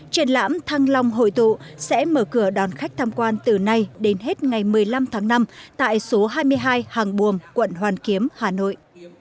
triển lãm thăng long hội tụ sẽ mở cửa đón khách tham quan từ nay đến hết ngày một mươi năm tháng năm tại số hai mươi hai hàng buồm quận hoàn kiếm hà nội